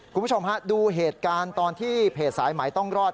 คุณผู้ชมฮะดูเหตุการณ์ตอนที่เพจสายไหมต้องรอด